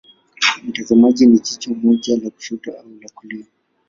Mtazamaji ni jicho moja la kushoto au la kulia.